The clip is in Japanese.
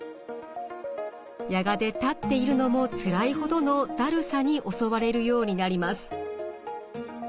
やがて立っているのもつらいほどのだるさに襲われるようになります。